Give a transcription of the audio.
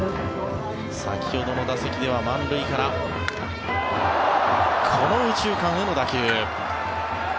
先ほどの打席では満塁からこの右中間への打球。